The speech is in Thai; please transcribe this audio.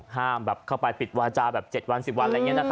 ห้าแบบเข้าไปปิดวาจาแบบเจ็ดวันสิบวัน